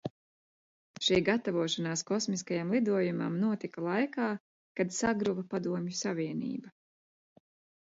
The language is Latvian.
Šī gatavošanās kosmiskajam lidojumam notika laikā, kad sagruva Padomju Savienība.